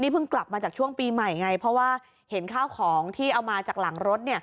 เพราะว่าเห็นข้าวของที่เอามาจากหลังรถ